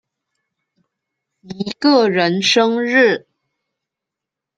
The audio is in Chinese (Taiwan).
一個人生日